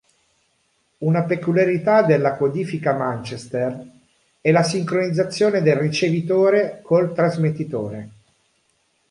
Una peculiarità della codifica Manchester è la sincronizzazione del ricevitore col trasmettitore.